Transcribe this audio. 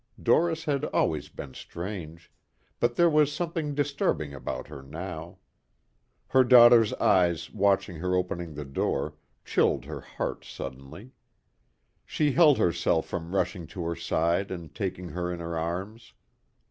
Doris had always been strange, but there was something disturbing about her now. Her daughter's eyes watching her opening the door, chilled her heart suddenly. She held herself from rushing to her side and taking her in her arms.